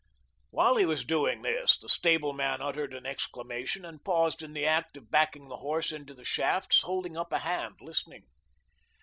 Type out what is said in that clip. While he was doing this, the stableman uttered an exclamation and paused in the act of backing the horse into the shafts, holding up a hand, listening.